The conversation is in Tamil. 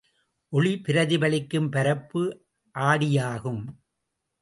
ஒளி பிரதிபலிக்கும் பரப்பு ஆடியாகும்.